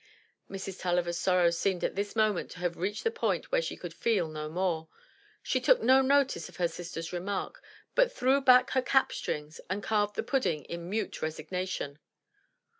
Mrs. TuUiver's sorrows seemed at this moment to have reached the point where she could feel no more. She took no notice of her sister's remark, but threw back her cap strings and carved the pudding in mute resignation.